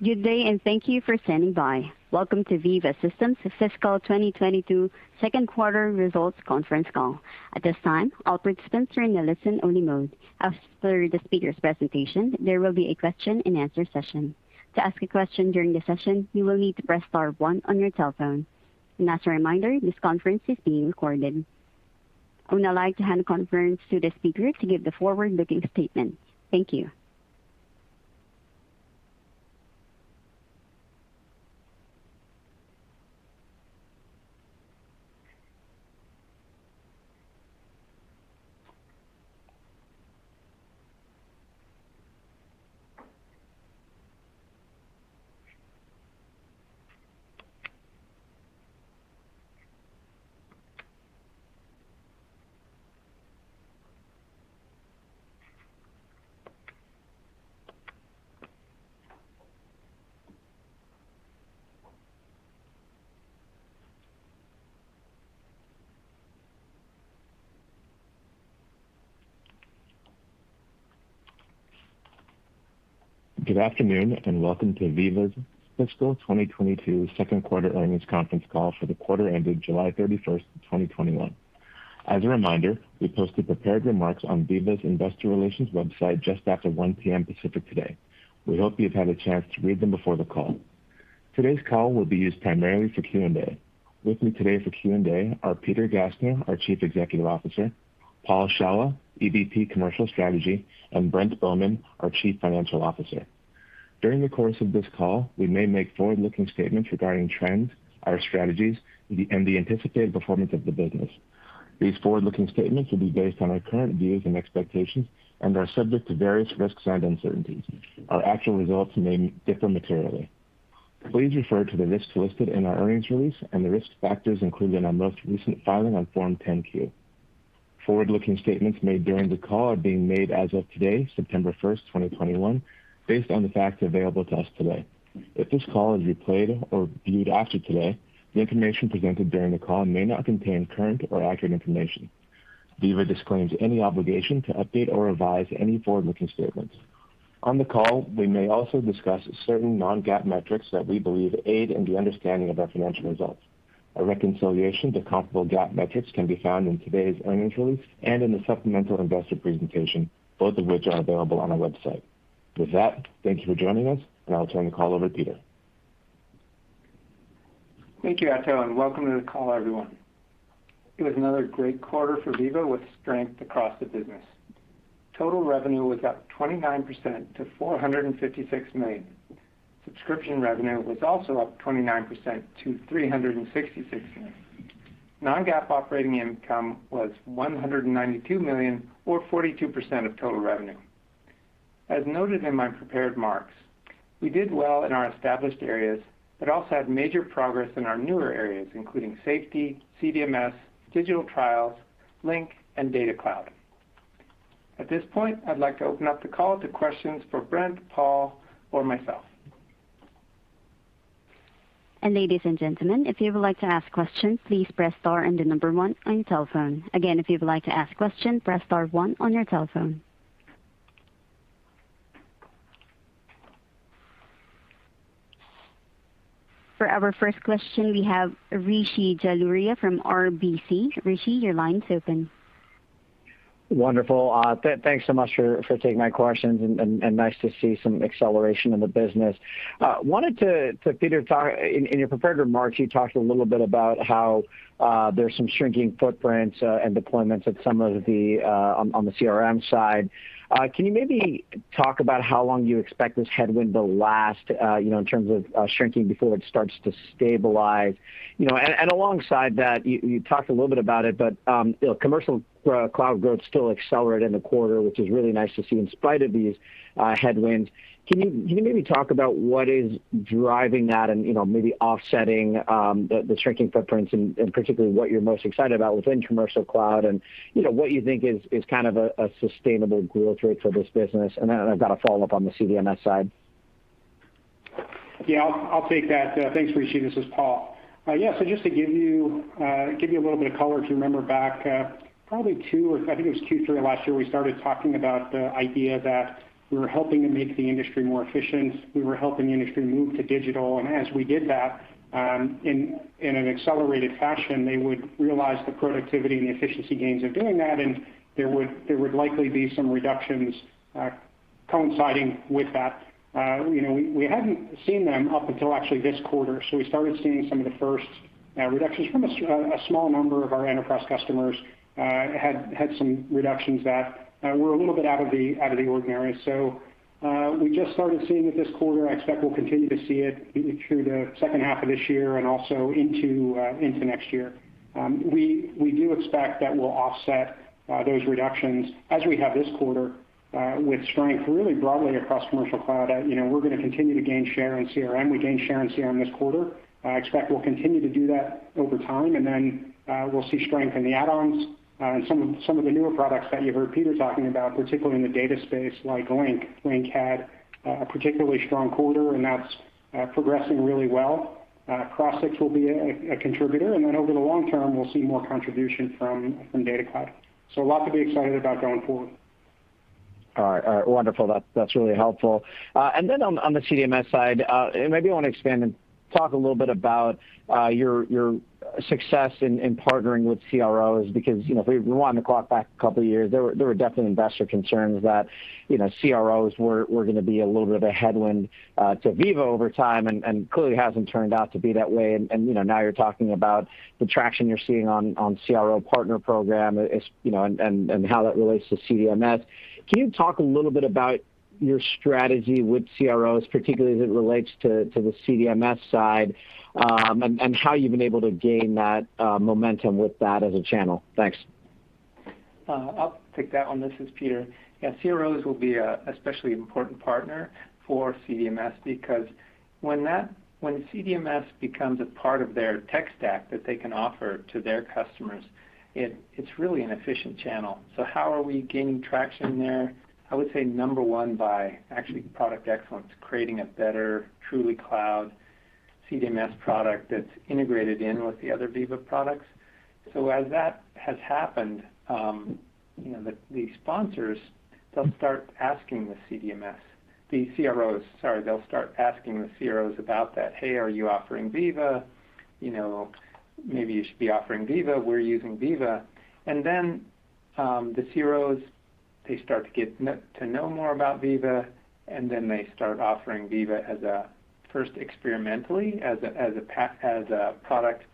Good day, and thank you for standing by. Welcome to Veeva Systems' Fiscal 2022 second quarter results conference call. At this time, all participants are in a listen-only mode. After the speakers' presentation, there will be a question-and-answer session. As a reminder, this conference is being recorded. I would now like to hand the conference to the speaker to give the forward-looking statement. Thank you. Good afternoon, and welcome to Veeva's Fiscal 2022 second quarter earnings conference call for the quarter ending July 31st, 2021. As a reminder, we posted prepared remarks on Veeva's investor relations website just after 1:00 P.M. Pacific today. We hope you've had a chance to read them before the call. Today's call will be used primarily for Q&A. With me today for Q&A are Peter Gassner, our Chief Executive Officer; Paul Shawah, EVP, Commercial Strategy; and Brent Bowman, our Chief Financial Officer. During the course of this call, we may make forward-looking statements regarding trends, our strategies, and the anticipated performance of the business. These forward-looking statements will be based on our current views and expectations and are subject to various risks and uncertainties. Our actual results may differ materially. Please refer to the risks listed in our earnings release and the risk factors included in our most recent filing on Form 10-Q. Forward-looking statements made during the call are being made as of today, September 1, 2021, based on the facts available to us today. If this call is replayed or viewed after today, the information presented during the call may not contain current or accurate information. Veeva disclaims any obligation to update or revise any forward-looking statements. On the call, we may also discuss certain non-GAAP metrics that we believe aid in the understanding of our financial results. A reconciliation to comparable GAAP metrics can be found in today's earnings release and in the supplemental investor presentation, both of which are available on our website. With that, thank you for joining us, and I'll turn the call over to Peter. Thank you, Ato. Welcome to the call, everyone. It was another great quarter for Veeva with strength across the business. Total revenue was up 29% to $456 million. Subscription revenue was also up 29% to $366 million. Non-GAAP operating income was $192 million or 42% of total revenue. As noted in my prepared remarks, we did well in our established areas. Also had major progress in our newer areas, including Safety, CDMS, digital trials, Link, and Data Cloud. At this point, I'd like to open up the call to questions for Brent, Paul, or myself. Ladies and gentlemen, if you would like to ask questions, please press star and one on your telephone. Again, if you would like to ask questions, press star one on your telephone. For our first question, we have Rishi Jaluria from RBC. Rishi, your line is open. Wonderful. Thanks so much for taking my questions, and nice to see some acceleration in the business. Wanted to Peter, in your prepared remarks, you talked a little bit about how there's some shrinking footprints and deployments at some of the on the CRM side. Can you maybe talk about how long you expect this headwind to last, you know, in terms of shrinking before it starts to stabilize? You know, alongside that, you talked a little bit about it, but you know, Commercial Cloud growth still accelerated in the quarter, which is really nice to see in spite of these headwinds. Can you maybe talk about what is driving that and, you know, maybe offsetting the shrinking footprints and particularly what you're most excited about within Commercial Cloud and, you know, what you think is kind of a sustainable growth rate for this business? Then I've got a follow-up on the CDMS side. Yeah, I'll take that. Thanks, Rishi. This is Paul. Yeah, so just to give you a little bit of color, if you remember back, probably I think it was two, three last year, we started talking about the idea that we were helping to make the industry more efficient. We were helping the industry move to digital. As we did that, in an accelerated fashion, they would realize the productivity and the efficiency gains of doing that, and there would likely be some reductions, coinciding with that. You know, we hadn't seen them up until actually this quarter. We started seeing some of the first reductions from a small number of our enterprise customers, who had some reductions that were a little bit out of the ordinary. We just started seeing it this quarter. I expect we'll continue to see it through the second half of this year and also into next year. We do expect that we'll offset those reductions as we have this quarter, with strength really broadly across Commercial Cloud. You know, we're gonna continue to gain share in CRM. We gained share in CRM this quarter. I expect we'll continue to do that over time, and then we'll see strength in the add-ons and some of the newer products that you heard Peter talking about, particularly in the data space like Link. Link had a particularly strong quarter, and that's progressing really well. Crossix will be a contributor, and then over the long term, we'll see more contribution from Data Cloud. A lot to be excited about going forward. All right. Wonderful. That's really helpful. Then on the CDMS side, and maybe you wanna expand and talk a little bit about your success in partnering with CROs because, you know, if we wind the clock back a couple years, there were definitely investor concerns that, you know, CROs were gonna be a little bit of a headwind to Veeva over time and clearly hasn't turned out to be that way. You know, now you're talking about the traction you're seeing on CRO partner program as, you know, and how that relates to CDMS. Can you talk a little bit about your strategy with CROs, particularly as it relates to the CDMS side, and how you've been able to gain that momentum with that as a channel? Thanks. I'll take that one. This is Peter. CROs will be an especially important partner for CDMS because when CDMS becomes a part of their tech stack that they can offer to their customers, it's really an efficient channel. How are we gaining traction there? I would say number one, by actually product excellence, creating a better, truly cloud CDMS product that's integrated in with the other Veeva products. As that has happened, you know, the sponsors will start asking the CDMS. The CROs, sorry. They'll start asking the CROs about that, hey, are you offering Veeva? You know, maybe you should be offering Veeva. We're using Veeva. The CROs, they start to know more about Veeva. They start offering Veeva as a first experimentally, as a product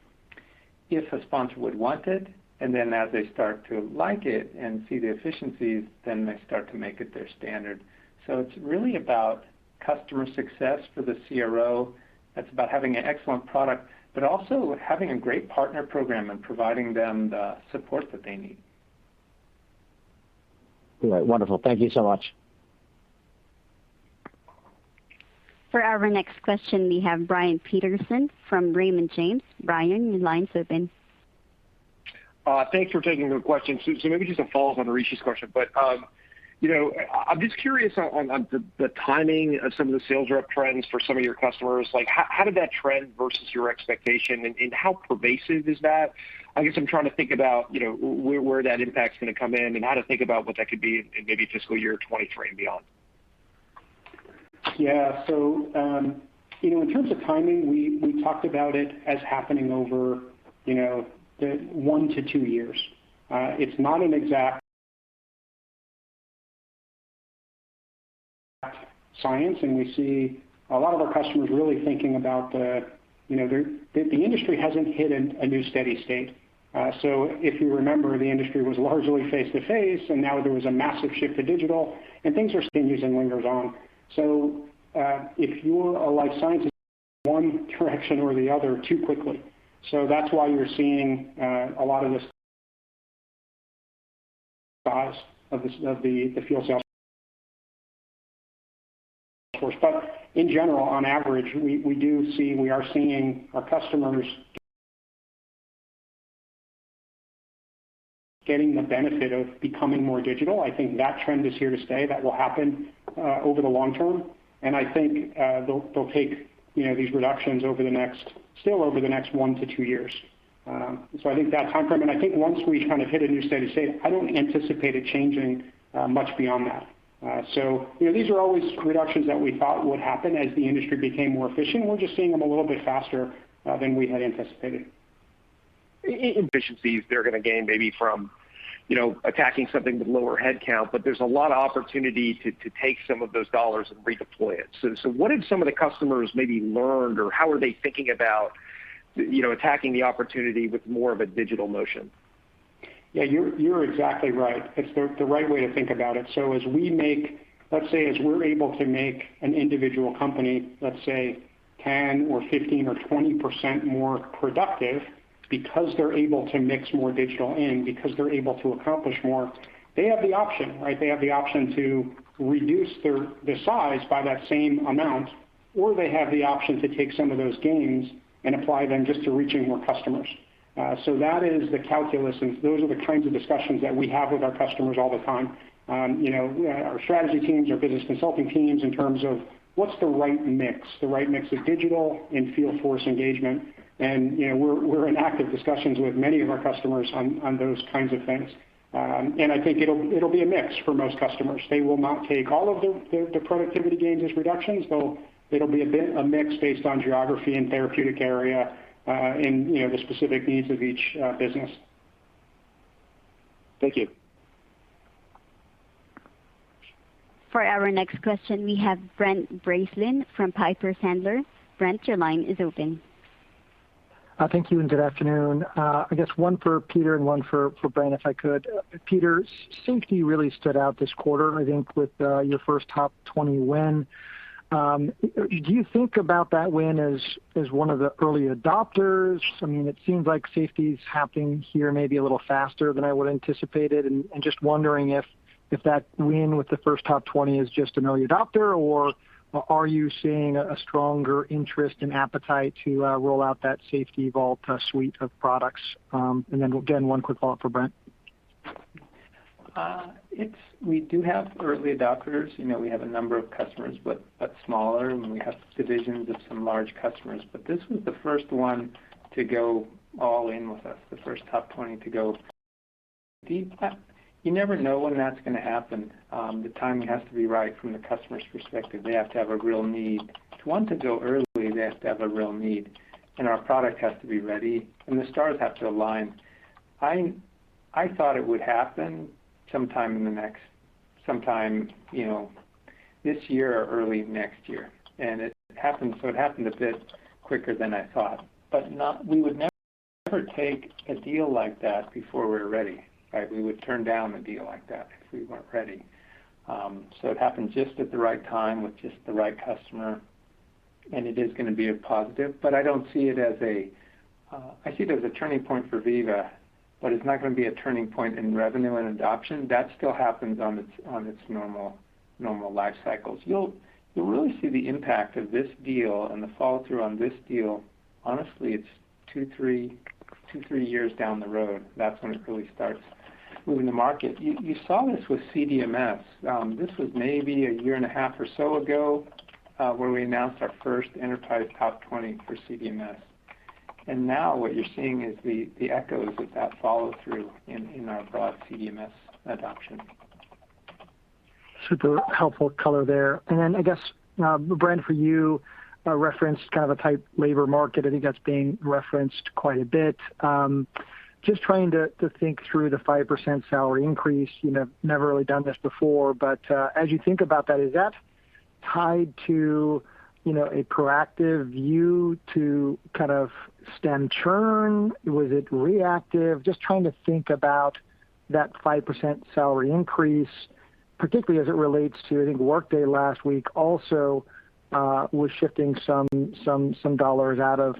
if a sponsor would want it. As they start to like it and see the efficiencies, then they start to make it their standard. It's really about customer success for the CRO. It's about having an excellent product but also having a great partner program and providing them the support that they need. All right. Wonderful. Thank you so much. For our next question, we have Brian Peterson from Raymond James. Brian, your line's open. Thanks for taking the question. Maybe just a follow-up on Rishi's question. You know, I'm just curious on the timing of some of the sales rep trends for some of your customers. Like, how did that trend versus your expectation and how pervasive is that? I guess I'm trying to think about, you know, where that impact's gonna come in and how to think about what that could be in maybe fiscal year 2023 and beyond. In terms of timing, we talked about it as happening over the one to two years. It's not an exact science, and we see a lot of our customers really thinking about the industry hasn't hit a new steady state. If you remember, the industry was largely face-to-face, and now there was a massive shift to digital, and things are still using lingers on. If you're a life science, one direction or the other, too quickly. That's why you're seeing a lot of this size of the field sales force. In general, on average, we do see, we are seeing our customers getting the benefit of becoming more digital. I think that trend is here to stay. That will happen over the long term. I think, they'll take, you know, these reductions still over the next one to two years. I think that timeframe, and I think once we kind of hit a new steady state, I don't anticipate it changing much beyond that. You know, these are always reductions that we thought would happen as the industry became more efficient. We're just seeing them a little bit faster than we had anticipated. In efficiencies they're gonna gain maybe from, you know, attacking something with lower headcount, but there's a lot of opportunity to take some of those dollars and redeploy it. What have some of the customers maybe learned, or how are they thinking about, you know, attacking the opportunity with more of a digital motion? Yeah, you're exactly right. It's the right way to think about it. As we're able to make an individual company, let's say, 10% or 15% or 20% more productive because they're able to mix more digital in, because they're able to accomplish more, they have the option, right? They have the option to reduce the size by that same amount, or they have the option to take some of those gains and apply them just to reaching more customers. That is the calculus, and those are the kinds of discussions that we have with our customers all the time. You know, our strategy teams, our business consulting teams, in terms of what's the right mix, the right mix of digital and field force engagement. You know, we're in active discussions with many of our customers on those kinds of things. I think it'll be a mix for most customers. They will not take all of the productivity gains as reductions. It'll be a mix based on geography and therapeutic area, and you know, the specific needs of each business. Thank you. For our next question, we have Brent Bracelin from Piper Sandler. Brent, your line is open. Thank you, and good afternoon. I guess one for Peter and one for Brent, if I could. Peter, safety really stood out this quarter, I think, with your first top 20 win. Do you think about that win as one of the early adopters? I mean, it seems like safety is happening here, maybe a little faster than I would have anticipated, and just wondering if that win with the first top 20 is just an early adopter, or are you seeing a stronger interest and appetite to roll out that Vault Safety suite of products? Then again, one quick follow-up for Brent. We do have early adopters. You know, we have a number of customers, but smaller ones, and we have divisions of some large customers. This was the first one to go all in with us, the first top 20 to go. You never know when that's gonna happen. The timing has to be right from the customer's perspective. They have to have a real need. To want to go early, they have to have a real need, and our product has to be ready, and the stars have to align. I thought it would happen sometime, you know, this year or early next year. It happened, so it happened a bit quicker than I thought. We would never take a deal like that before we were ready, right? We would turn down a deal like that if we weren't ready. It happened just at the right time with just the right customer, and it is gonna be a positive. I don't see it as a, I see it as a turning point for Veeva, but it's not gonna be a turning point in revenue and adoption. That still happens on its normal life cycles. You'll really see the impact of this deal and the follow-through on this deal, honestly, it's two, three years down the road. That's when it really starts moving the market. You saw this with CDMS. This was maybe a year and a half or so ago, where we announced our first enterprise top 20 for CDMS. Now what you're seeing is the echoes of that follow-through in our broad CDMS adoption. Super helpful color there. I guess, Brent, for you, referenced kind of a tight labor market. I think that's being referenced quite a bit. Just trying to think through the 5% salary increase. You know, never really done this before, but as you think about that, is that tied to, you know, a proactive view to kind of stem churn? Was it reactive? Just trying to think about that 5% salary increase, particularly as it relates to, I think, Workday last week also, was shifting some dollars out of.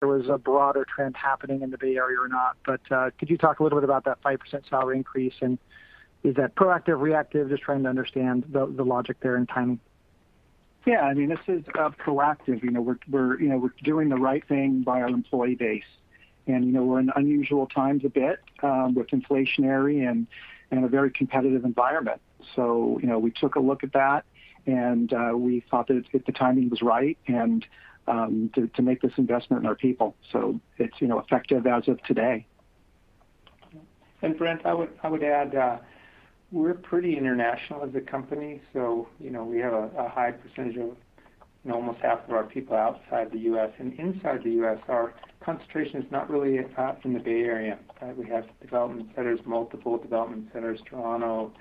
There was a broader trend happening in the Bay Area or not. Could you talk a little bit about that 5% salary increase, and is that proactive, reactive? Just trying to understand the logic there and timing. Yeah. I mean, this is proactive. You know, we're doing the right thing by our employee base. You know, we're in unusual times a bit with inflationary and a very competitive environment. You know, we took a look at that, and we thought that the timing was right to make this investment in our people. It's, you know, effective as of today. Brent, I would add, we're pretty international as a company, so, you know, we have a high percentage of, you know, almost half of our people outside the U.S. Inside the U.S., our concentration is not really in the Bay Area, right? We have development centers, multiple development centers, Toronto,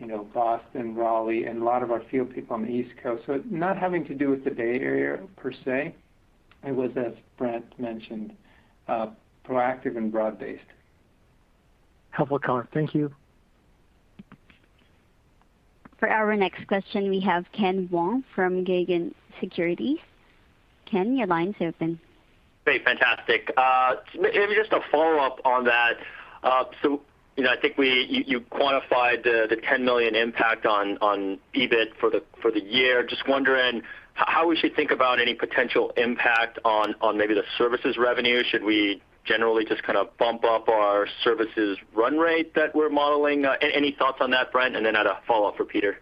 you know, Boston, Raleigh, and a lot of our field people on the East Coast. Not having to do with the Bay Area per se. It was, as Brent mentioned, proactive and broad-based. Helpful color. Thank you. For our next question, we have Ken Wong from Guggenheim Securities. Ken, your lines are open. Great. Fantastic. Maybe just a follow-up on that. You know, I think you quantified the $10 million impact on EBIT for the year. Just wondering how we should think about any potential impact on maybe the services revenue. Should we generally just kind of bump up our services run rate that we're modeling? Any thoughts on that, Brent? Then I had a follow-up for Peter.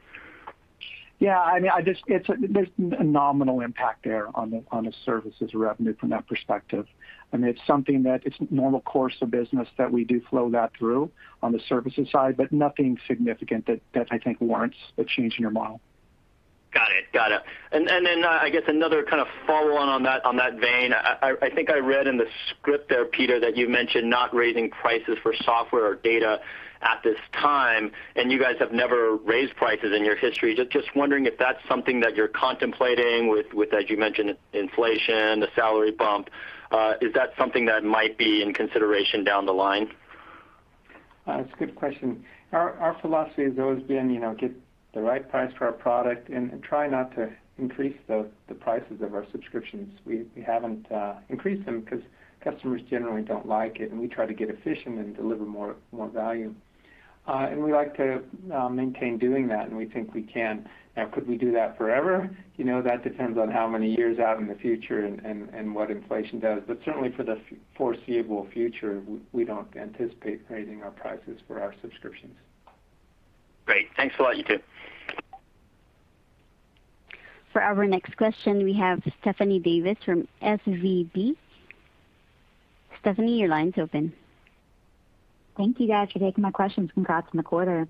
Yeah, I mean, I just it's a there's a nominal impact there on the services revenue from that perspective, and it's something that it's normal course of business that we do flow that through on the services side, but nothing significant that I think warrants a change in your model. Got it. Got it. I guess another kind of follow-up on that, in that vein. I think I read in the script there, Peter, that you mentioned not raising prices for software or data at this time, and you guys have never raised prices in your history. Just wondering if that's something that you're contemplating with, as you mentioned, inflation, the salary bump. Is that something that might be in consideration down the line? It's a good question. Our philosophy has always been, you know, get the right price for our product and try not to increase the prices of our subscriptions. We haven't increased them cause customers generally don't like it, and we try to get efficient and deliver more value. We like to maintain doing that, and we think we can. Now, could we do that forever? You know, that depends on how many years out in the future and what inflation does. Certainly, for the foreseeable future, we don't anticipate raising our prices for our subscriptions. Great. Thanks a lot, you two. For our next question, we have Stephanie Davis from SVB. Stephanie, your line's open. Thank you, guys, for taking my questions. Congrats on the quarter.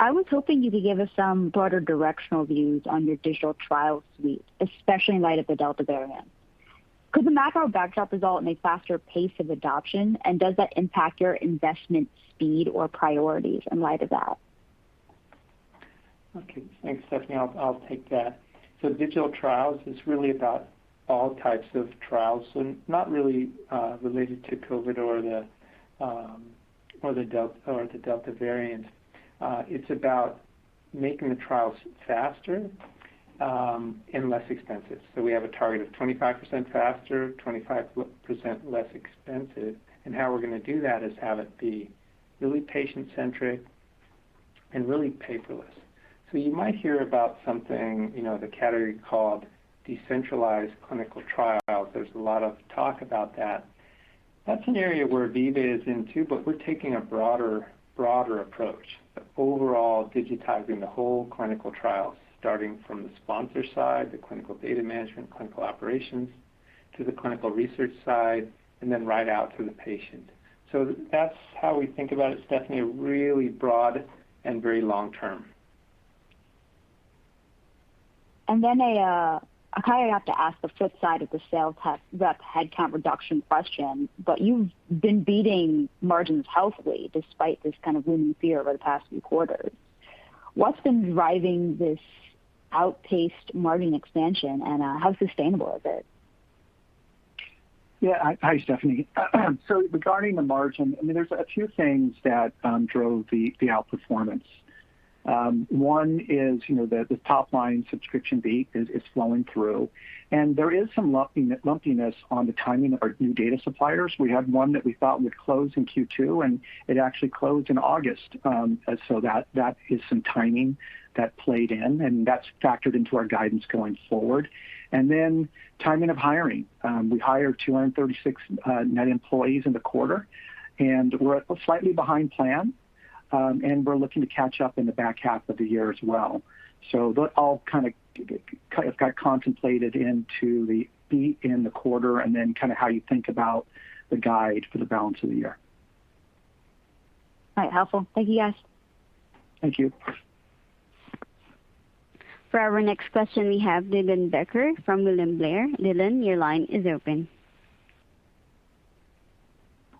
I was hoping you could give us some broader directional views on your digital trial suite, especially in light of the Delta variant. Could the macro backdrop result in a faster pace of adoption, and does that impact your investment speed or priorities in light of that? Okay. Thanks, Stephanie. I'll take that. Digital trials are really about all types of trials, not really related to COVID or the Delta variant. It's about making the trials faster and less expensive. We have a target of 25% faster, 25% less expensive, and how we're gonna do that is have it be really patient-centric and really paperless. You might hear about something, you know, the category called decentralized clinical trials. There's a lot of talk about that. That's an area where Veeva is in too, but we're taking a broader approach of overall digitizing the whole clinical trial, starting from the sponsor side, the clinical data management, clinical operations, to the clinical research side, and then right out to the patient. That's how we think about it, Stephanie, really broad and very long-term. I kind of have to ask the flip side of the sales rep headcount reduction question, but you've been beating margins healthily despite this kind of looming fear over the past few quarters. What's been driving this outpaced margin expansion, and how sustainable is it? Yeah. Hi, Stephanie. Regarding the margin, I mean, there's a few things that drove the outperformance. One is, you know, the top-line subscription beat is flowing through, and there is some lumpiness on the timing of our new data suppliers. We had one that we thought would close in Q2, and it actually closed in August. That is some timing that played in, and that's factored into our guidance going forward. Timing of hiring. We hired 236 net employees in the quarter, and we're slightly behind plan. We're looking to catch up in the back half of the year as well. Those all kind of got contemplated into the beat in the quarter and then kind of how you think about the guide for the balance of the year. All right. Helpful. Thank you, guys. Thank you. For our next question, we have Dylan Becker from William Blair. Dylan, your line is open.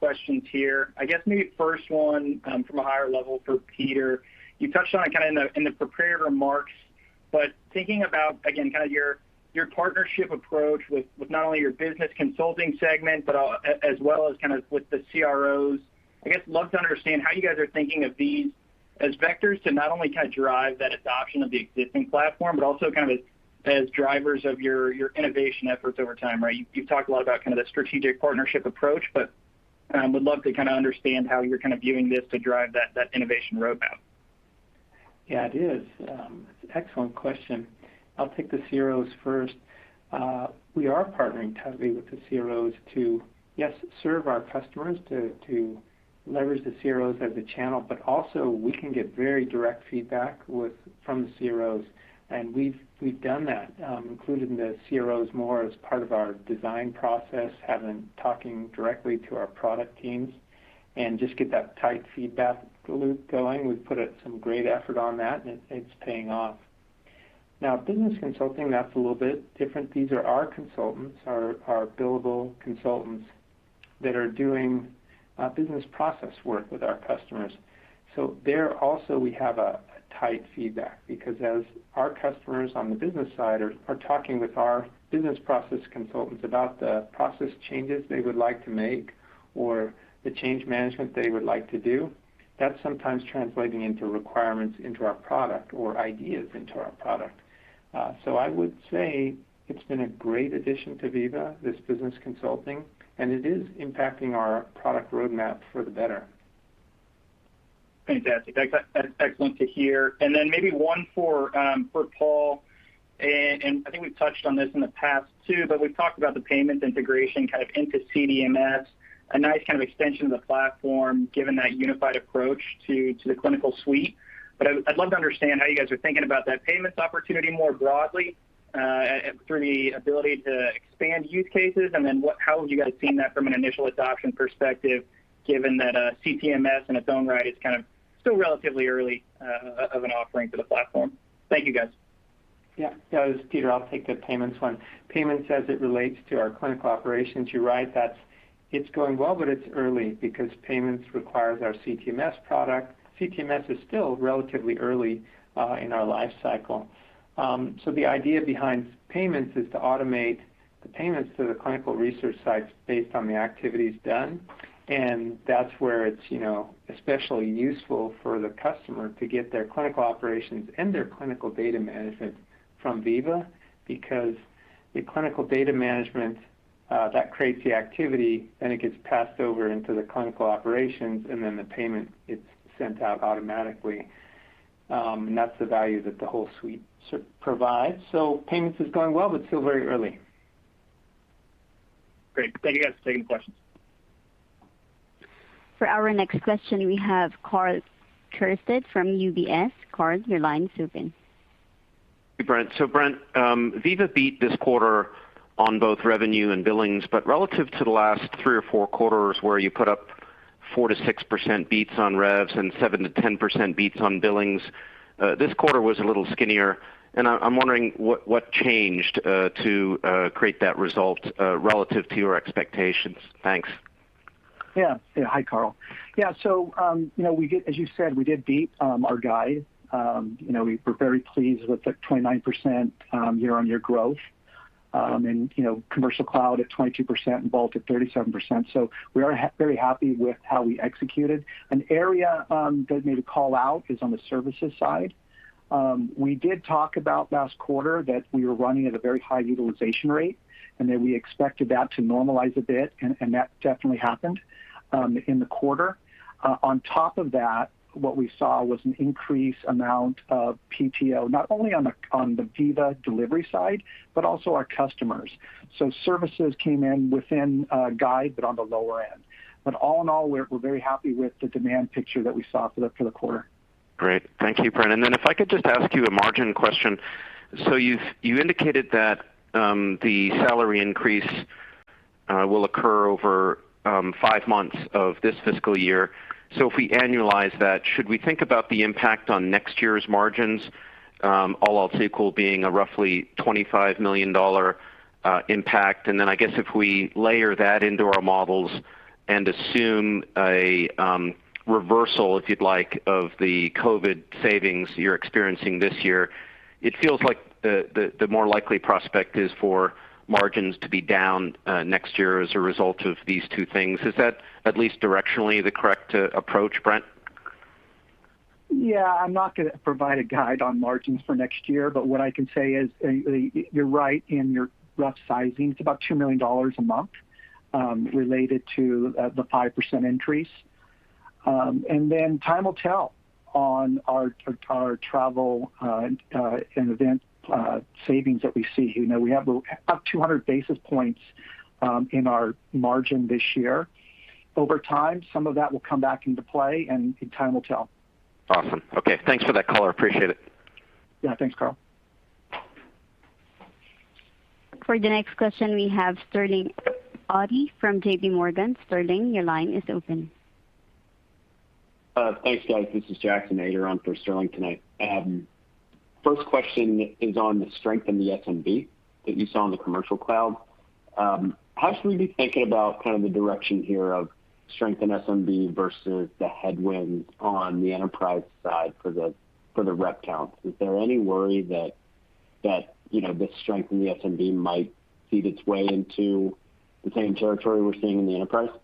Questions here. I guess maybe first one, from a higher level for Peter. You touched on it kind of in the, in the prepared remarks, but thinking about, again, kind of your partnership approach with not only your business consulting segment, as well as kind of with the CROs. I guess I'd love to understand how you guys are thinking of these as vectors to not only kind of drive that adoption of the existing platform, but also kind of as drivers of your innovation efforts over time, right? You've talked a lot about kind of the strategic partnership approach, but would love to kind of understand how you're kind of viewing this to drive that innovation roadmap. Yeah, it is. That's an excellent question. I'll take the CROs first. We are partnering tightly with the CROs to, yes, serve our customers, to leverage the CROs as a channel, but also we can get very direct feedback from the CROs, and we've done that, including the CROs more as part of our design process, having talking directly to our product teams and just get that tight feedback loop going. We've put some great effort on that, and it's paying off. Business consulting, that's a little bit different. These are our consultants, our billable consultants that are doing business process work with our customers. There also we have a tight feedback because as our customers on the business side are talking with our business process consultants about the process changes they would like to make or the change management they would like to do, that's sometimes translating into requirements into our product or ideas into our product. I would say it's been a great addition to Veeva, this business consulting, and it is impacting our product roadmap for the better. Fantastic. That is excellent to hear. Then maybe one for Paul, I think we've touched on this in the past too, but we've talked about the payments integration kind of into CDMS, a nice kind of extension of the platform, given that unified approach to the clinical suite. I'd love to understand how you guys are thinking about that payment opportunity more broadly through the ability to expand use cases, and then how have you guys seen that from an initial adoption perspective, given that CTMS in its own right is kind of still relatively early of an offering to the platform? Thank you, guys. No, this is Peter. I'll take the payments one. Payments as it relates to our clinical operations, you're right that it's going well, but it's early because payments requires our CTMS product. CTMS is still relatively early in our life cycle. The idea behind payments is to automate the payments to the clinical research sites based on the activities done, and that's where it's, you know, especially useful for the customer to get their clinical operations and their clinical data management from Veeva because the clinical data management that creates the activity, and it gets passed over into the clinical operations, and then the payment is sent out automatically. That's the value that the whole suite provides. Payments is going well, but still very early. Great. Thank you, guys. Taking questions. For our next question, we have Karl Keirstead from UBS. Karl, your line is open. Hey, Brent. Brent, Veeva beat this quarter on both revenue and billings, but relative to the last three or four quarters where you put up 4%-6% beats on revs and 7%-10% beats on billings, this quarter was a little skinnier, and I'm wondering what changed to create that result relative to your expectations. Thanks. Hi, Karl. As you said, we did beat our guide. We were very pleased with the 29% year-on-year growth, and Commercial Cloud at 22% and Vault at 37%. We are very happy with how we executed. An area that may be called out is on the services side. We did talk about last quarter that we were running at a very high utilization rate and that we expected that to normalize a bit, and that definitely happened. In the quarter. On top of that, what we saw was an increased amount of PTO, not only on the Veeva delivery side, but also our customers. Services came in within guide, but on the lower end. All in all, we're very happy with the demand picture that we saw for the quarter. Great. Thank you, Brent. Then if I could just ask you a margin question. You indicated that the salary increase will occur over five months of this fiscal year. If we annualize that, should we think about the impact on next year's margins, all else equal, being a roughly $25 million impact? Then I guess if we layer that into our models and assume a reversal, if you'd like, of the COVID savings you're experiencing this year, it feels like the more likely prospect is for margins to be down next year as a result of these two things. Is that at least directionally the correct approach, Brent? Yeah. I'm not gonna provide a guide on margins for next year, but what I can say is, you're right in your rough sizing. It's about $2 million a month, related to the 5% increase. Time will tell on our travel and event savings that we see. You know, we have up 200 basis points in our margin this year. Over time, some of that will come back into play and time will tell. Awesome. Okay. Thanks for that color. Appreciate it. Yeah, thanks Karl. For the next question, we have Sterling Auty from JPMorgan. Sterling, your line is open. Thanks guys. This is Jackson Ader on for Sterling tonight. First question is on the strength in the SMB that you saw in the Commercial Cloud. How should we be thinking about kind of the direction here of strength in SMB versus the headwinds on the enterprise side for the rep count? Is there any worry that, you know, the strength in the SMB might feed its way into the same territory we're seeing in the enterprise? Yeah.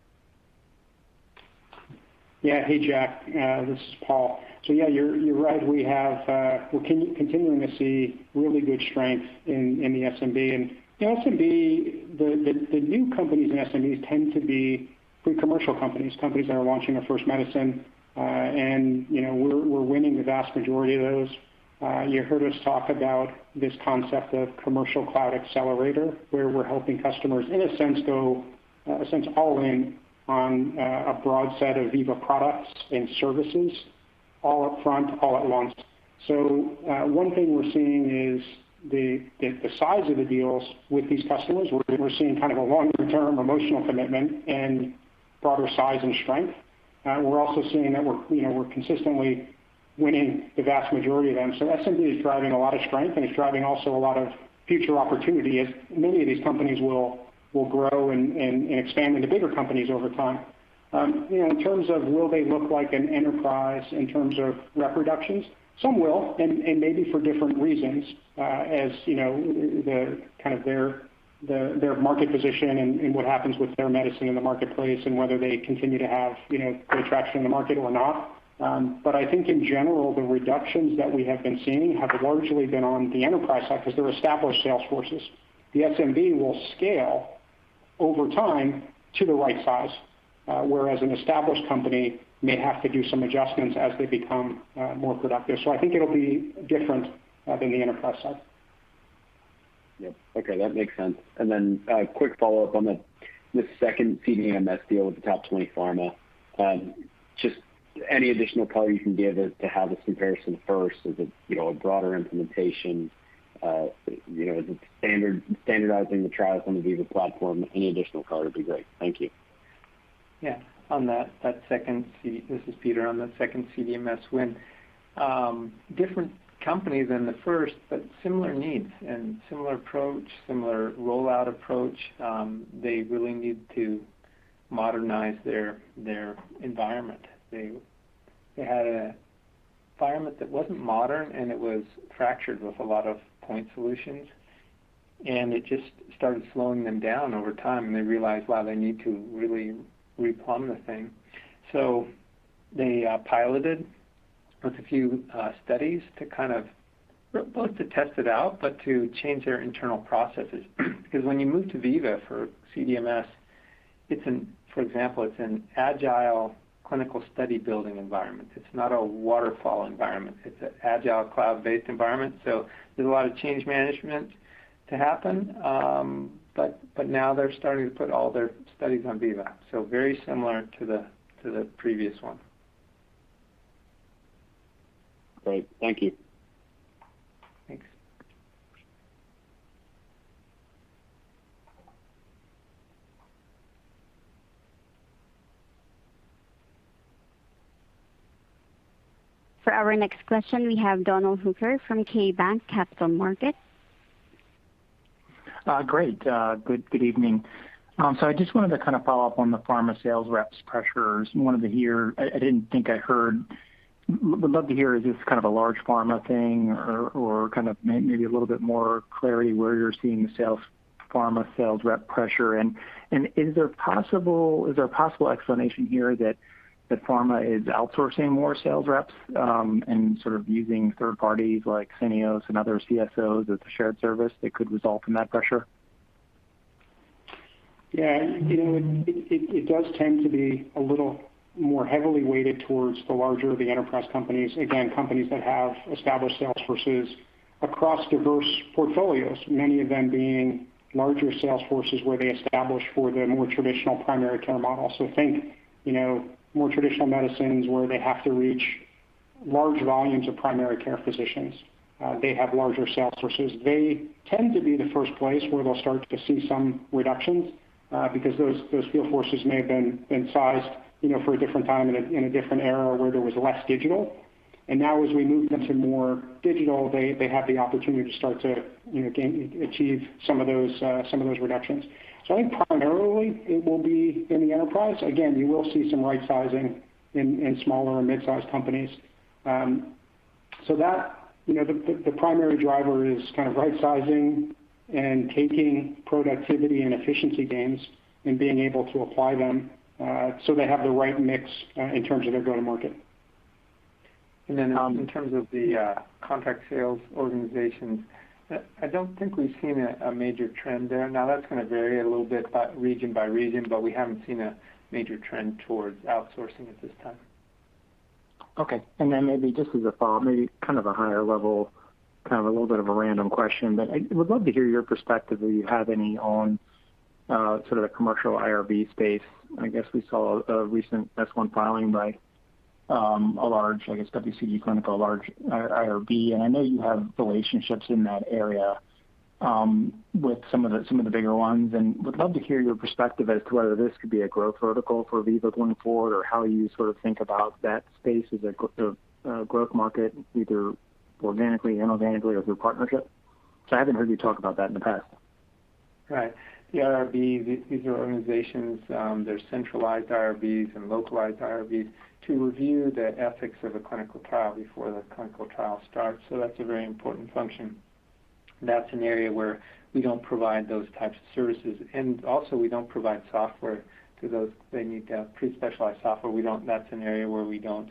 Hey, Jackson Ader. This is Paul Shawah. Yeah, you're right. We're continuing to see really good strength in the SMB. The SMB, the new companies in SMBs tend to be pre-commercial companies that are launching their first medicine. You know, we're winning the vast majority of those. You heard us talk about this concept of Commercial Cloud Accelerator, where we're helping customers in a sense go, a sense all in on a broad set of Veeva products and services all upfront, all at once. One thing we're seeing is the size of the deals with these customers. We're seeing kind of a longer-term emotional commitment and broader size and strength. We're also seeing that, you know, we're consistently winning the vast majority of them. SMB is driving a lot of strength, and it's driving also a lot of future opportunity as many of these companies will grow and expand into bigger companies over time. You know, in terms of will they look like an enterprise in terms of rep reductions, some will and maybe for different reasons, as you know, the kind of their market position and what happens with their medicine in the marketplace and whether they continue to have, you know, good traction in the market or not. I think in general, the reductions that we have been seeing have largely been on the enterprise side because they're established sales forces. The SMB will scale over time to the right size, whereas an established company may have to do some adjustments as they become more productive. I think it'll be different than the enterprise side. Okay. That makes sense. A quick follow-up on the second CDMS deal with the top 20 pharma. Just any additional color you can give as to how this comparison first, is it, you know, a broader implementation? You know, is it standardizing the trials on the Veeva platform? Any additional color would be great. Thank you. Yeah. On that second. This is Peter. On the second CDMS win, different companies than the first, but similar needs and similar approach, similar rollout approach. They really need to modernize their environment. They had an environment that wasn't modern, and it was fractured with a lot of point solutions, and it just started slowing them down over time, and they realized, wow, they need to really replumb the thing. They piloted with a few studies to kind of both to test it out, but to change their internal processes. Because when you move to Veeva for CDMS, for example, it's an agile clinical study building environment. It's not a waterfall environment. It's an agile cloud-based environment, there's a lot of change management to happen. Now they're starting to put all their studies on Veeva, so very similar to the previous one. Great. Thank you. Thanks. For our next question, we have Donald Hooker from KeyBanc Capital Markets. Great. Good evening. I just wanted to kind of follow up on the pharma sales reps pressures. Would love to hear is this kind of a large pharma thing or kind of maybe a little bit more clarity where you're seeing pharma sales rep pressure. Is there a possible explanation here that pharma is outsourcing more sales reps and sort of using third parties like Syneos and other CSOs as a shared service that could result from that pressure? Yeah, you know, it does tend to be a little more heavily weighted towards the larger of the enterprise companies. Again, companies that have established sales forces across diverse portfolios, many of them being larger sales forces where they establish for the more traditional primary care model. Think, you know, more traditional medicines where they have to reach large volumes of primary care physicians. They have larger sales forces. They tend to be the first place where they'll start to see some reductions, because those field forces may have been sized, you know, for a different time in a different era where there was less digital. Now as we move them to more digital, they have the opportunity to start to, you know, achieve some of those reductions. I think primarily it will be in the enterprise. Again, you will see some rightsizing in smaller or mid-sized companies. That, you know, the primary driver is kind of rightsizing and taking productivity and efficiency gains and being able to apply them, so they have the right mix in terms of their go-to-market. In terms of the Contract Sales Organizations, I don't think we've seen a major trend there. Now, that's gonna vary a little bit by region by region, but we haven't seen a major trend towards outsourcing at this time. Okay. Then maybe just as a follow-up, maybe kind of a higher level, kind of a little bit of a random question, but I would love to hear your perspective if you have any on sort of the commercial IRB space. I guess we saw a recent S-1 filing by a large, I guess, WCG Clinical, a large IRB, and I know you have relationships in that area with some of the bigger ones, and would love to hear your perspective as to whether this could be a growth vertical for Veeva going forward or how you sort of think about that space as a growth market, either organically, inorganically, or through partnership. I haven't heard you talk about that in the past. Right. The IRB, these are organizations, they're centralized IRBs and localized IRBs, to review the ethics of a clinical trial before the clinical trial starts. That's a very important function. That's an area where we don't provide those types of services. Also, we don't provide software to those. They need to have pre-specialized software. That's an area where we don't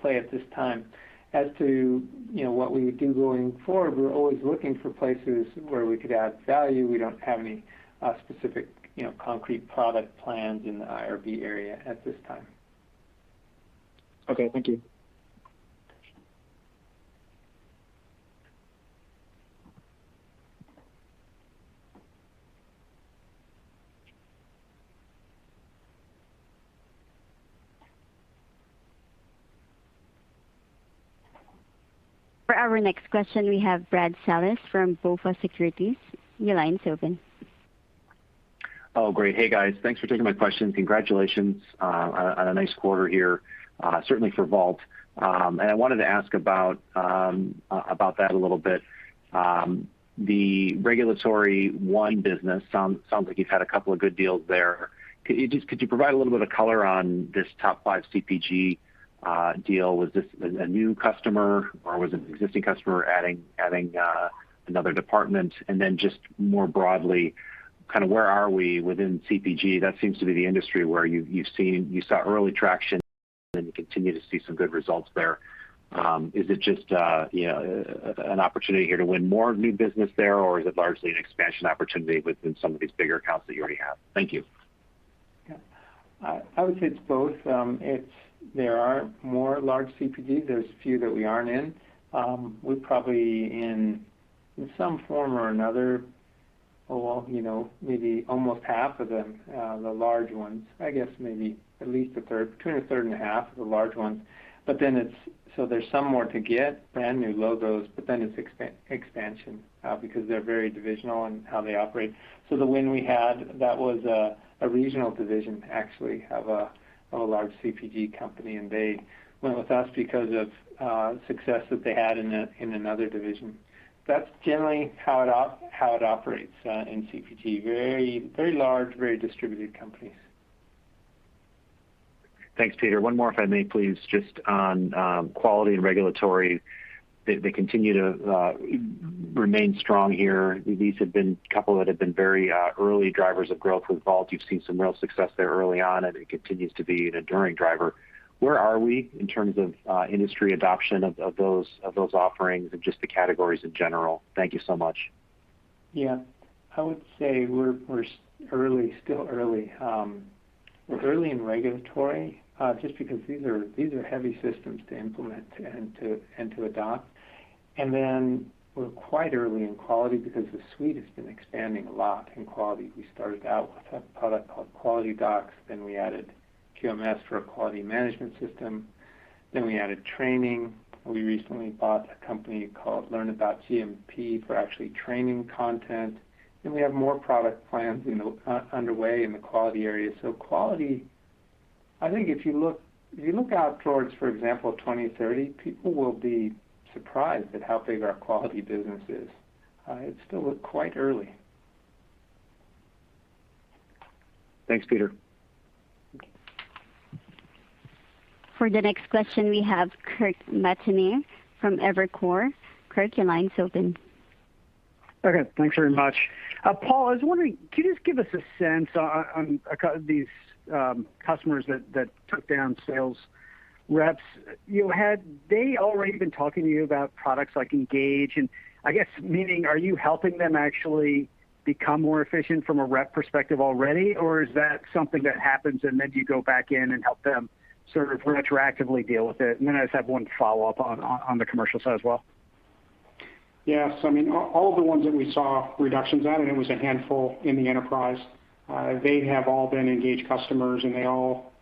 play at this time. As to, you know, what we would do going forward, we're always looking for places where we could add value. We don't have any specific, you know, concrete product plans in the IRB area at this time. Okay. Thank you. For our next question, we have Brad Sills from BofA Securities. Your line's open. Great. Hey, guys. Thanks for taking my question. Congratulations on a nice quarter here, certainly for Vault. I wanted to ask about that a little bit. The RegulatoryOne business sounds like you've had a couple of good deals there. Could you provide a little bit of color on the top five CPG deal? Was this a new customer, or was it an existing customer adding another department? Then just more broadly, kind of where are we within CPG? That seems to be the industry where you saw early traction, and you continue to see some good results there. Is it just, you know, an opportunity here to win more new business there, or is it largely an expansion opportunity within some of these bigger accounts that you already have? Thank you. Yeah. I would say it's both. There are more large CPGs. There's a few that we aren't in. We're probably in some form or another, well, you know, maybe almost half of them, the large ones. I guess maybe at least a third, between a third and a half of the large ones. There's some more to get, brand-new logos, it's expansion, because they're very divisional in how they operate. The win we had, that was a regional division, actually, of a large CPG company. They went with us because of success that they had in another division. That's generally how it operates in CPG. Very large, very distributed companies. Thanks, Peter. One more if I may please, just on quality and regulatory. They continue to remain strong here. These have been a couple that have been very early drivers of growth with Vault. You've seen some real success there early on, and it continues to be an enduring driver. Where are we in terms of industry adoption of those offerings and just the categories in general? Thank you so much. I would say we're early, still early. We're early in regulatory just because these are heavy systems to implement and to adopt. We're quite early in quality because the suite has been expanding a lot in quality. We started out with a product called QualityDocs, then we added QMS for a quality management system, then we added training. We recently bought a company called LearnAboutGMP for actually training content. We have more product plans, you know, underway in the quality area. Quality, I think if you look out towards, for example, 2030, people will be surprised at how big our quality business is. It's still quite early. Thanks, Peter. For the next question, we have Kirk Materne from Evercore ISI. Kirk, your line's open. Okay. Thanks very much. Paul, I was wondering, can you just give us a sense of these customers that took down sales reps, you know, had they already been talking to you about products like Engage? I guess, meaning is you helping them actually become more efficient from a rep perspective already? Or is that something that happens, and then you go back in and help them sort of retroactively deal with it? I just have one follow-up on the commercial side as well. Yes. I mean, all the ones that we saw reductions on, and it was a handful in the enterprise, they have all been Engage customers, and they all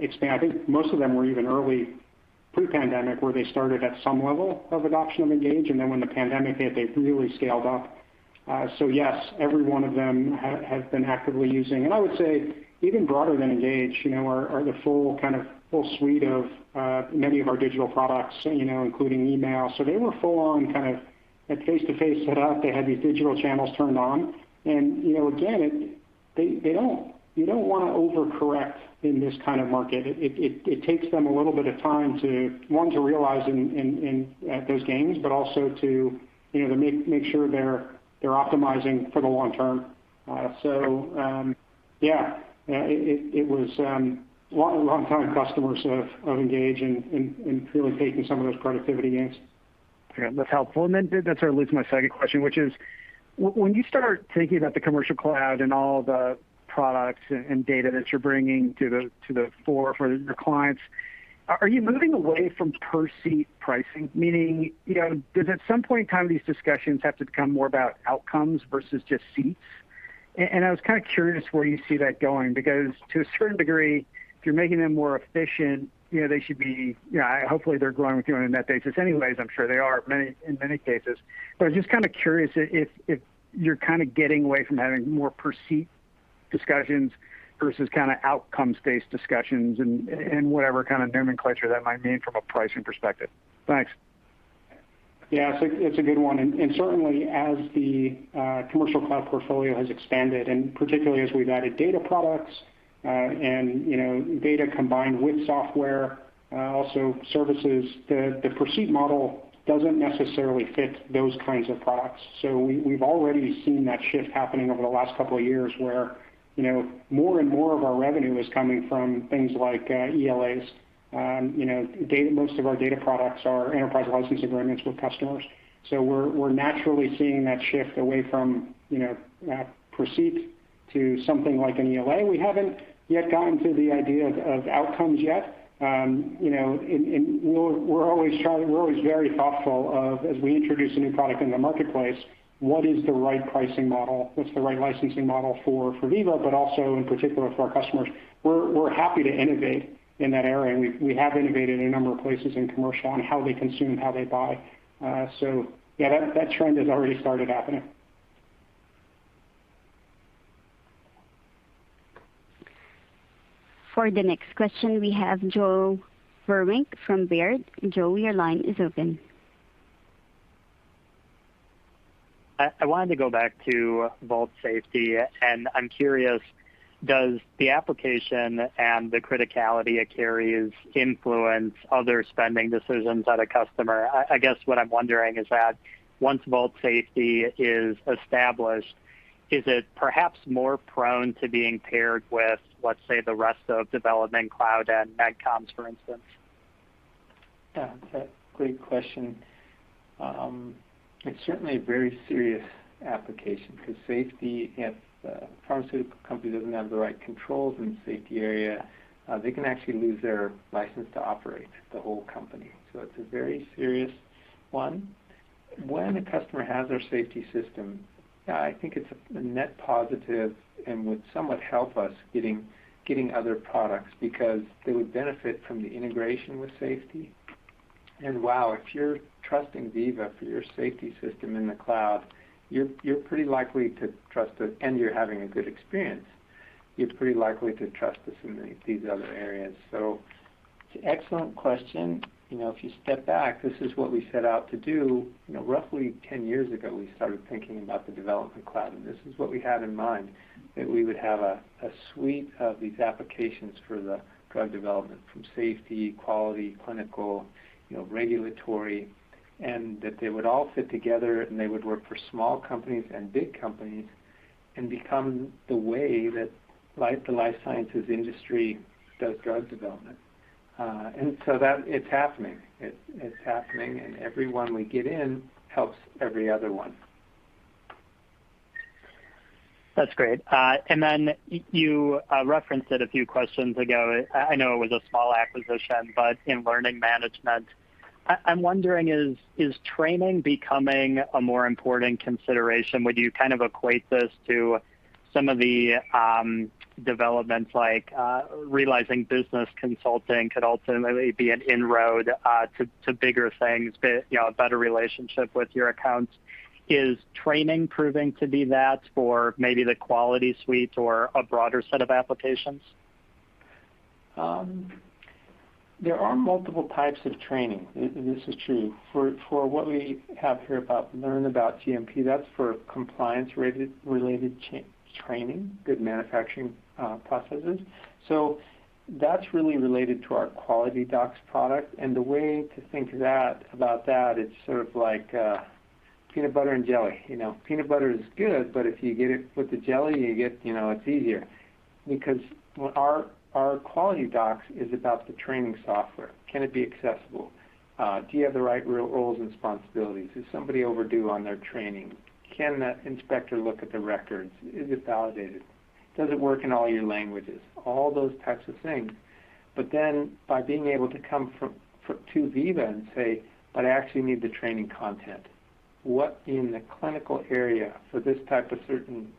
expand. I think most of them were even early pre-pandemic, where they started at some level of adoption of Engage, and then when the pandemic hit, they really scaled up. Yes, every one of them has been actively using. I would say even broader than Engage, you know, are the full kind of full suite of many of our digital products, you know, including email. They were full-on kind of that face-to-face set up. They had these digital channels turned on. You know, again, you don't wanna overcorrect in this kind of market. It takes them a little bit of time to, one, to realize at those gains, but also to, you know, to make sure they're optimizing for the long term. Yeah. You know, it was longtime customers of Engage and really taking some of those productivity gains. Okay. That's helpful. That sort of leads to my second question, which is when you start thinking about the Commercial Cloud and all the products and data that you're bringing to the fore for the clients, are you moving away from per-seat pricing? Meaning, you know, does at some point in time these discussions have to become more about outcomes versus just seats? And I was kind of curious where you see that going because to a certain degree, if you're making them more efficient, you know, they should be, you know, hopefully they're growing with you on a net basis anyways. I'm sure they are in many cases. I'm just kind of curious if you're kind of getting away from having more per-seat discussions versus kind of outcomes-based discussions and whatever kind of nomenclature that might mean from a pricing perspective. Thanks. Yeah. It's a, it's a good one, and certainly as the Commercial Cloud portfolio has expanded, and particularly as we've added data products, and, you know, data combined with software, also services, the per-seat model doesn't necessarily fit those kinds of products. We've already seen that shift happening over the last couple of years where, you know, more and more of our revenue is coming from things like ELAs. You know, most of our data products are Enterprise License Agreements with customers, we're naturally seeing that shift away from, you know, per seat to something like an ELA. We haven't yet gotten to the idea of outcomes yet. You know, we're always very thoughtful of as we introduce a new product in the marketplace, what is the right pricing model, what's the right licensing model for Veeva, but also in particular for our customers. We're happy to innovate in that area, and we have innovated a number of places in commercial on how they consume, how they buy. Yeah, that trend has already started happening. For the next question, we have Joe Vruwink from Baird. Joe, your line is open. I wanted to go back to Vault Safety, and I'm curious, does the application and the criticality it carries influence other spending decisions at a customer? I guess what I'm wondering is that once Vault Safety is established, is it perhaps more prone to being paired with, let's say, the rest of Development Cloud and MedComms, for instance? That's a great question. It's certainly a very serious application because safety, if a pharmaceutical company doesn't have the right controls in the safety area, they can actually lose their license to operate, the whole company. It's a very serious one. When a customer has our Vault Safety system, I think it's a net positive and would somewhat help us getting other products because they would benefit from the integration with Vault Safety. Wow, if you're trusting Veeva for your Veeva Vault Safety system in the cloud, you're pretty likely to trust us, and you're having a good experience, you're pretty likely to trust us in these other areas. It's an excellent question. You know, if you step back, this is what we set out to do. You know, roughly 10 years ago, we started thinking about the Veeva Development Cloud. This is what we had in mind, that we would have a suite of these applications for the drug development from safety, quality, clinical, you know, regulatory, that they would all fit together. They would work for small companies and big companies and become the way that the life sciences industry does drug development. It's happening. It's happening. Everyone we get in helps every other one. That's great. Then you referenced it a few questions ago. I know it was a small acquisition, but in learning management, I'm wondering is training becoming a more important consideration? Would you kind of equate this to some of the developments, like realizing business consulting could ultimately be an inroad to bigger things, you know, a better relationship with your accounts? Is training proving to be that for maybe the quality suite or a broader set of applications? There are multiple types of training. This is true. For what we have here about LearnAboutGMP, that's for compliance-related training, good manufacturing processes. That's really related to our QualityDocs product, and the way to think about that is sort of like Peanut butter and jelly. You know, peanut butter is good, but if you get it with the jelly, you get, you know, it's easier. Because our QualityDocs is about the training software. Can it be accessible? Do you have the right roles and responsibilities? Is somebody overdue on their training? Can that inspector look at the records? Is it validated? Does it work in all your languages? All those types of things. By being able to come to Veeva and say, "I actually need the training content. What in the clinical area for this type of certain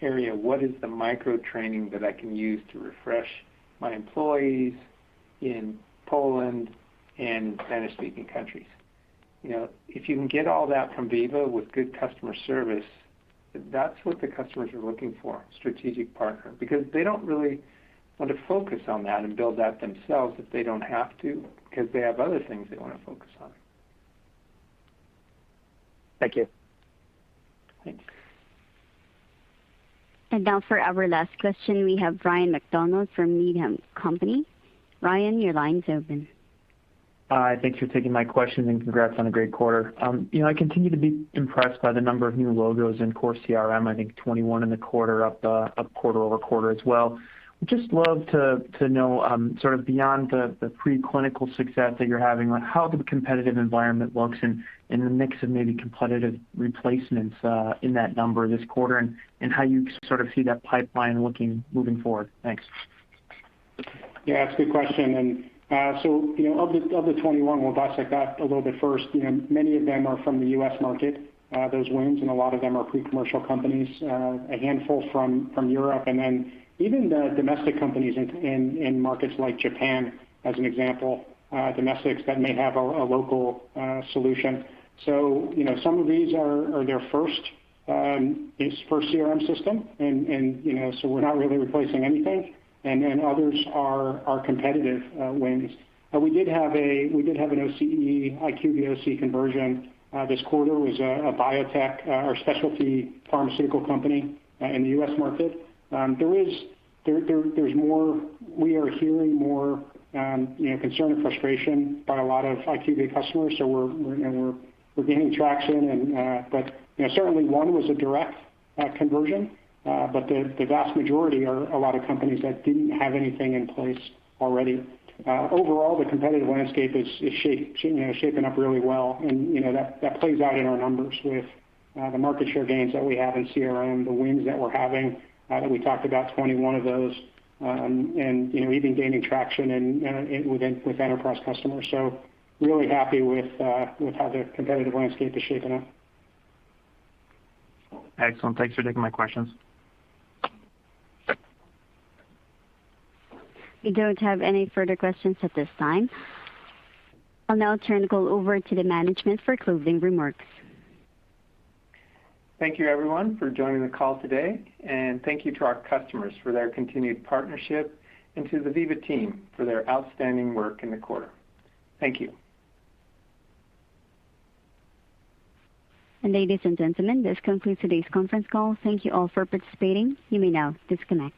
area, what is the micro-training that I can use to refresh my employees in Poland and Spanish-speaking countries? You know, if you can get all that from Veeva with good customer service, that's what the customers are looking for, strategic partner. They don't really want to focus on that and build that themselves if they don't have to, because they have other things they wanna focus on. Thank you. Thanks. Now, for our last question, we have Ryan MacDonald from Needham & Company. Ryan, your line is open. Hi, thanks for taking my questions, and congrats on a great quarter. You know, I continue to be impressed by the number of new logos in Core CRM, I think 21 in the quarter up, quarter-over-quarter as well. Would just love to know, sort of beyond the preclinical success that you're having on how the competitive environment looks and the mix of maybe competitive replacements in that number this quarter, and how you sort of see that pipeline looking moving forward. Thanks. Yeah, that's a good question. You know, of the, of the 21, we'll dissect that a little bit first. You know, many of them are from the U.S. market, those wins, a lot of them are pre-commercial companies, a handful from Europe. Then even the domestic companies in markets like Japan, as an example, domestics that may have a local solution. You know, some of these are their first, it's first CRM system, you know, we're not really replacing anything, others are competitive wins. We did have an OCE-IQVIA OCE conversion this quarter. It was a biotech or specialty pharmaceutical company in the U.S. market. We are hearing more, you know, concern and frustration by a lot of IQVIA customers. We're gaining traction and, you know, certainly one was a direct conversion. The vast majority are a lot of companies that didn't have anything in place already. Overall, the competitive landscape is, you know, shaping up really well. You know, that plays out in our numbers with the market share gains that we have in CRM, the wins that we're having, that we talked about 21 of those. You know, even gaining traction with enterprise customers. Really happy with how the competitive landscape is shaping up. Excellent. Thanks for taking my questions. We don't have any further questions at this time. I'll now turn the call over to the management for closing remarks. Thank you everyone for joining the call today, and thank you to our customers for their continued partnership and to the Veeva team for their outstanding work in the quarter. Thank you. Ladies and gentlemen, this concludes today's conference call. Thank you all for participating. You may now disconnect.